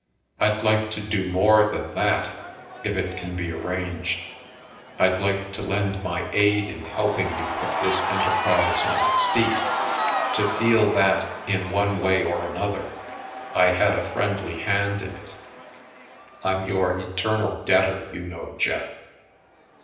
I'd like to do more than that if it can be ar ranged; I'd like to lend my aid in helping to put this enterprise on its feet — to feel that, in one way or another, I had a friendly hand in it. I'm your eternal debtor, you. know, Jefif."